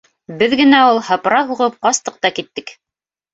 Беҙ генә ул һыпыра һуғып ҡастыҡ та киттек!